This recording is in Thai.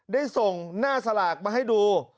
ได้ส่งหน้าสลากมาให้ดู